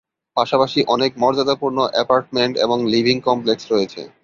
পাশাপাশি অনেক মর্যাদাপূর্ণ অ্যাপার্টমেন্ট এবং লিভিং কমপ্লেক্স রয়েছে।